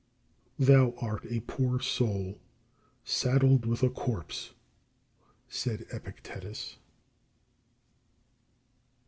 41. "Thou art a poor soul, saddled with a corpse," said Epictetus.